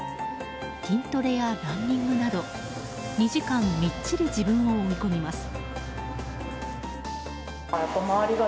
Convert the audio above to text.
筋トレやランニングなど、２時間みっちり自分を追い込みます。